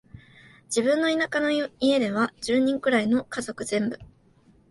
自分の田舎の家では、十人くらいの家族全部、